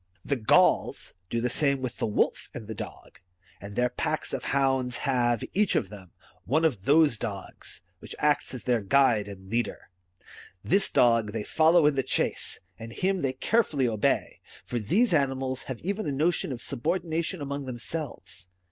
The Gauls do the same with the wolf and the dog ;^^ and their packs of hounds have, each of them, one of these dogs, which acts as their guide and leader. This dog they follow in the chase, and him they carefully obey ; for these animals have even a notion of subordination among themselves.